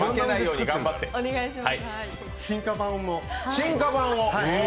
進化版を。